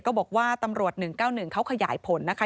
ก็บอกว่าตำรวจ๑๙๑เขาขยายผลนะคะ